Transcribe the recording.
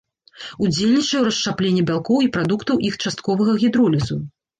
Удзельнічае ў расшчапленні бялкоў і прадуктаў іх частковага гідролізу.